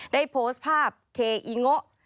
ได้โพสต์ภาพเคอีโงะ